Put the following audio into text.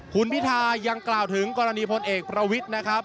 คุณพิทายังกล่าวถึงกรณีพลเอกประวิทย์นะครับ